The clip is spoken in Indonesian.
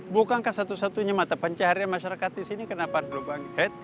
bukankah satu satunya mata pencaharian masyarakat disini kenapa harus dilubangi